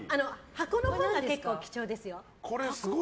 箱のほうが結構貴重ですよ。